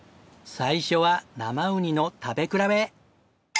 最初は生ウニの食べ比べ！